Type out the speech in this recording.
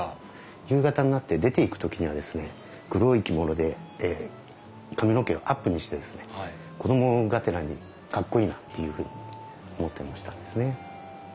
夕方になって出ていく時にはですね黒い着物で髪の毛をアップにしてですね子供がてらにかっこいいなっていうふうに思ってましたですね。